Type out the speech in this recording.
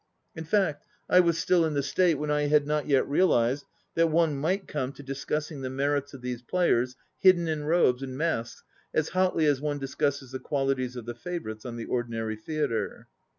In fact I was still in the state when I had not yet realized that one might come to discussing the merits of these players hidden in robes and masks as hotly as one discusses the qualities of the favourites on the ordinary theatre.